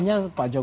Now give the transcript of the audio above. ya ini kan penentu